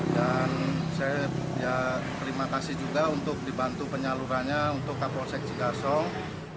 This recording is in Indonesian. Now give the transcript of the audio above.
dan saya terima kasih juga untuk dibantu penyalurannya untuk polsek cigasong